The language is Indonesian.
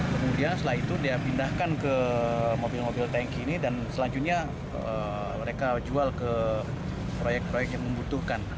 kemudian setelah itu dia pindahkan ke mobil mobil tanki ini dan selanjutnya mereka jual ke proyek proyek yang membutuhkan